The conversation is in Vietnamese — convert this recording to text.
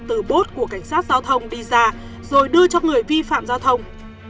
từ bốt của cảnh sát giao thông đi ra rồi đưa cho người vi phạm giao thông